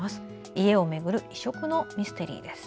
家をめぐる異色のミステリーです。